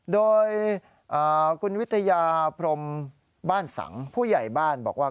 โดยคุณวิทยาพรมบ้านสังผู้ใหญ่บ้านบอกว่า